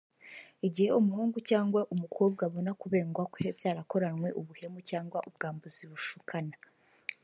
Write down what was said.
Igihe umuhungu cyangwa umukobwa abona kubengwa kwe byarakoranwe ubuhemu cyangwa ubwambuzi bushukana